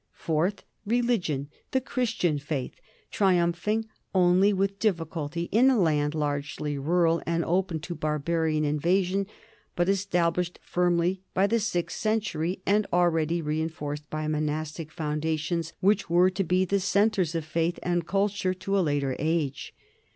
Fourth, religion, the Christian faith, tri umphing only with difficulty in a land largely rural and open to barbarian invasion, but established firmly by the sixth century and already reenforced by monastic foundations which were to be the centres of faith and culture to a later age.